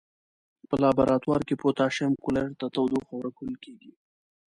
په لابراتوار کې پوتاشیم کلوریت ته تودوخه ورکول کیږي.